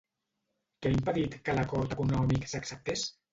Què ha impedit que l'acord econòmic s'acceptés?